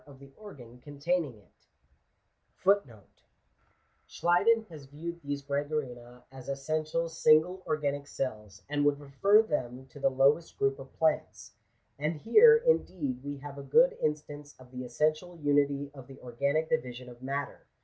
— Prqfeseor Owen's ffunterian Lectures, *" SeMeiden baa viewed these Oregarina as essentially single organic cells, and would refer them to the lowest group of plants. And here, indeed, we have a good instance of the essential unity of the organic division of matter.